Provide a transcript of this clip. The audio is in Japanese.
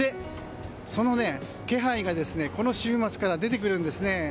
その気配がこの週末から出てくるんですね。